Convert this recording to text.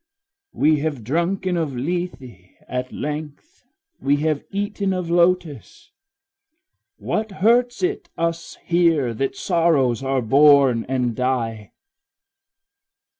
We have drunken of Lethe at length, we have eaten of lotus; What hurts it us here that sorrows are born and die?